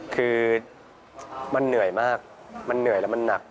คือมันเหนื่อยมากมันเหนื่อยแล้วมันหนัก